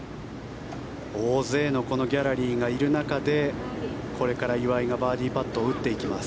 大勢のギャラリーがいる中でこれから岩井がバーディーパットを打っていきます。